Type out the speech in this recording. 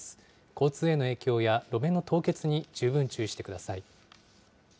交通への影響や、路面の凍結に十分注意してください。